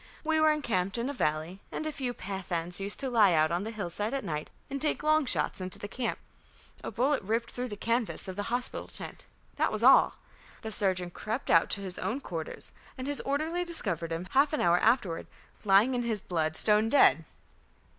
We were encamped in a valley, and a few Pathans used to lie out on the hillside at night and take long shots into the camp. A bullet ripped through the canvas of the hospital tent that was all. The surgeon crept out to his own quarters, and his orderly discovered him half an hour afterward lying in his blood stone dead."